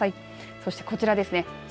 そしてこちらですね。